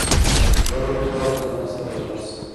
بل ورته وايي چې زما سره لاړ شه.